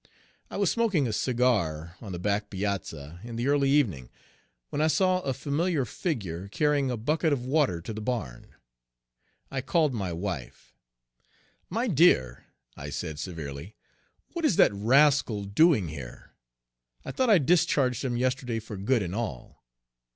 I was smoking a cigar on the back piazza in the early evening, when I saw a familiar figure carrying a bucket of water to the barn. I called my wife. Page 102 "My dear," I said severely, "what is that rascal doing here? I thought I discharged him yesterday for good and all."